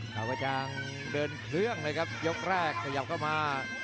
ขาวประจ่างเดินเครื่องยกแรกขยับเข้ามา